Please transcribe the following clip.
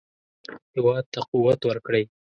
هېواد ته قوت ورکړئ